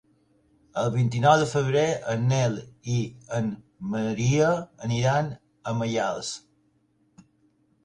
El vint-i-nou de febrer en Nel i en Maria aniran a Maials.